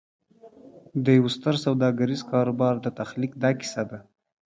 د یوه ستر سوداګریز کاروبار د تخلیق دا کیسه ده